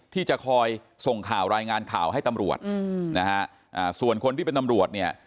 ที่จะคอยส่งข่าวรายงานข่าวให้ตำรวจนะฮะส่วนคนที่เป็นตำรวจเนี่ย